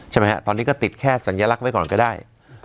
ใช่ไหมฮะตอนนี้ก็ติดแค่สัญลักษณ์ไว้ก่อนก็ได้